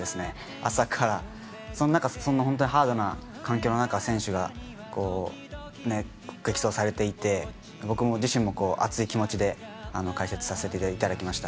朝から本当にハードな環境の中、選手が激そうされていて、僕自身も熱い気持ちで解説させていただきました。